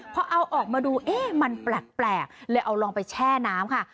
พอเอาออกมาดูเอ๊ะมันแปลกเลยเอาลองไปแช่น้ำค่ะ